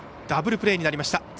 ダブルプレーになりました。